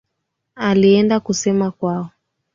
Alienda kusema kwao